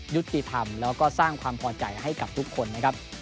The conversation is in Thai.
ยุติธรรมแล้วก็สร้างความพอใจให้กับทุกคนนะครับ